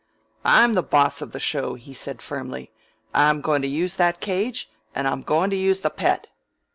"I'm the boss of the show," he said firmly. "I'm goin' to use that cage, and I'm goin' to use the Pet."